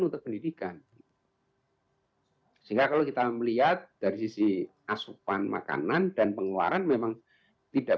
untuk pendidikan sehingga kalau kita melihat dari sisi asupan makanan dan pengeluaran memang tidak